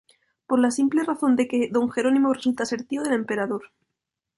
Por la simple razón de que Don Jerónimo resulta ser tío del emperador.